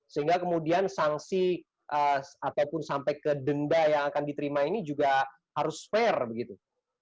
sehingga kemudian sanksi ataupun sampai ke denda yang akan diterima ini juga harus fair begitu